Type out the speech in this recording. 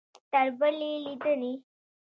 تر بلې لیدنې؟